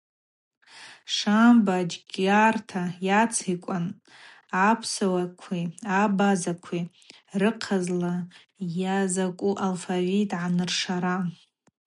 Шамба джьгарта йацикӏуан апсуакви абазакви рыхъазла йазакӏу алфавит агӏаныршара.